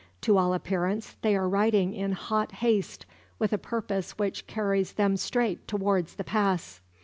To all appearance they are riding in hot haste, and with a purpose which carries them straight towards the pass.